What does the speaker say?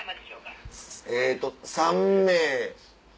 えっと３名。